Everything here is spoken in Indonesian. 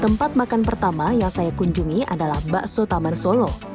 tempat makan pertama yang saya kunjungi adalah bakso taman solo